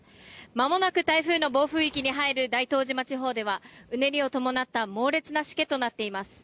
まもなく台風の暴風域に入る大東島地方ではうねりを伴った猛烈なしけとなっています。